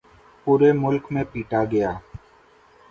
پورے ملک میں پیٹا گیا۔